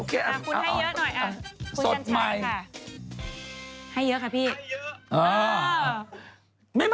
พูดใหญ่เยอะหน่อย